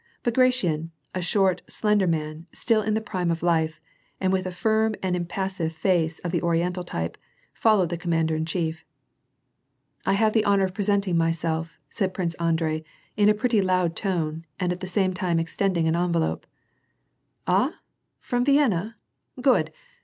Bagration, a short, slender man, still in the prime of life, and with a firm and impassive face of the oriental type, fol lowed the commander in chief. " I have the honor of presenting myself," said Prince Andrei, in a pretty loud tone, and at the same time extending an envelope. " Ah ? From Vienna ? Good